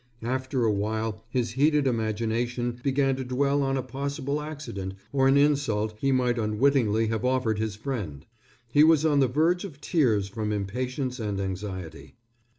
After a while his heated imagination began to dwell on a possible accident or an insult he might unwittingly have offered his friend. He was on the verge of tears from impatience and anxiety.